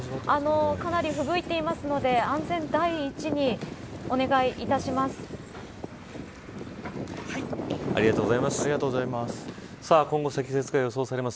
かなりふぶいているので安全第一に、お願いいたします。